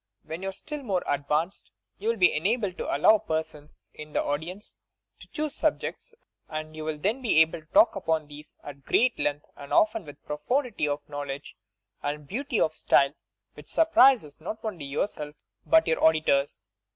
When you are still more advanced, you will be enabled to allow persons in the audience to choose sub jects, and you will then be able to talk upon these at great length and often with a profundity of knowledge and beauty of style which surprises not only yourself but your auditors.